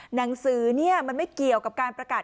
หนังสือมันไม่เกี่ยวกับการประกาศ